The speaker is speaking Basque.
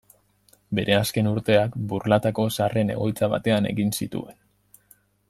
Bere azken urteak Burlatako zaharren egoitza batean egin zituen.